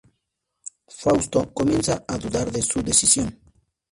Fausto comienza a dudar de su decisión.